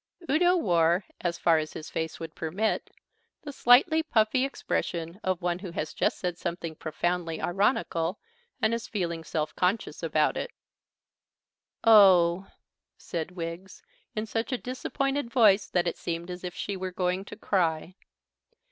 Udo wore, as far as his face would permit, the slightly puffy expression of one who has just said something profoundly ironical and is feeling self conscious about it. "Oh h," said Wiggs in such a disappointed voice that it seemed as if she were going to cry.